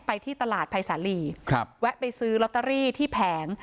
ที่ตลาดภัยสาลีครับแวะไปซื้อลอตเตอรี่ที่แผง